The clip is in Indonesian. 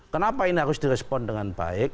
kenapa ini harus direspon dengan baik